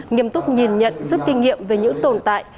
nghiêm túc nhìn nhận rút kinh nghiệm về những tồn tại